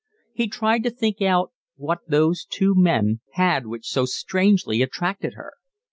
He tried to think out what those two men had which so strangely attracted her.